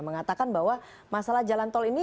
mengatakan bahwa masalah jalan tol ini